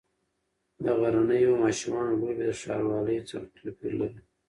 د غرنیو ماشومانو لوبې د ښاروالۍ څخه توپیر لري.